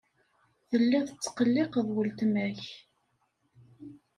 Telliḍ tettqelliqeḍ weltma-k.